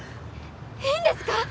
いいんですか？